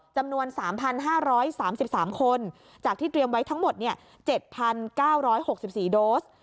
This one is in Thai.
จำนวน๓๕๓๓คนจากที่เตรียมไว้ทั้งหมด๗๙๖๔โดส